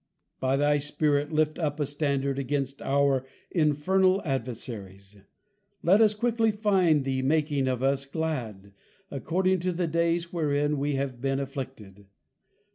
By thy Spirit, Lift up a standard against our infernal adversaries, Let us quickly find thee making of us glad, according to the Days wherein we have been afflicted.